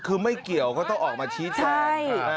คือไม่เกี่ยวก็ต้องออกมาชี้แจง